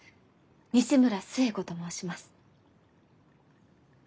西村寿恵子と申します。